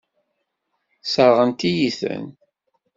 Sseṛɣent-iyi-ten.